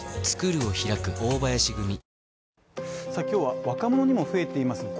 今日は若者にも増えています